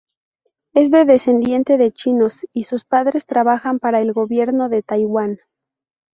Es descendiente de chinos, y sus padres trabajan para el gobierno de Taiwán.